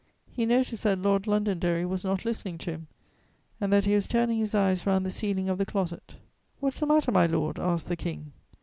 He noticed that Lord Londonderry was not listening to him and that he was turning his eyes round the ceiling of the closet: "What's the matter, my lord?" asked the King.